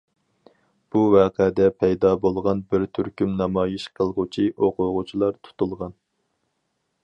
بۇ ۋەقەدە پەيدا بولغان بىر تۈركۈم نامايىش قىلغۇچى ئوقۇغۇچىلار تۇتۇلغان.